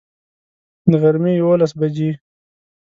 د غرمي یوولس بجي